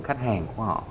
khách hàng của họ